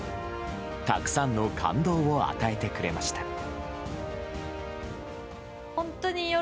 たくさんの感動を与えてくれました。